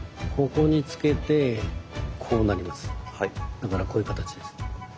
だからこういう形です。